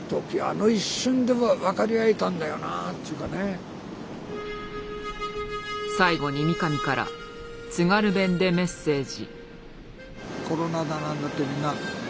これはもう最後に三上から津軽弁でメッセージ。